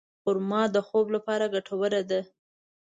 خرما د خوب لپاره ګټوره ده.